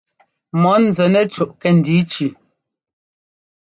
Mɔ̌ nzɛ nɛ cúʼ kɛ́ndǐ cʉʉ.